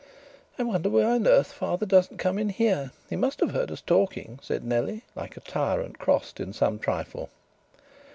"I wonder why on earth father doesn't come in here. He must have heard us talking," said Nellie, like a tyrant crossed in some trifle.